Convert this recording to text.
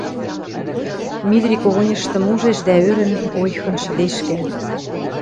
Митри когыньыштым ужеш дӓ ӧрӹн, ойхын шӹдешкӓ.